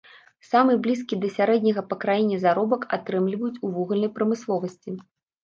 Самы блізкі да сярэдняга па краіне заробак атрымліваюць у вугальнай прамысловасці.